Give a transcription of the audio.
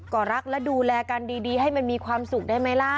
ก็รักและดูแลกันดีให้มันมีความสุขได้ไหมล่ะ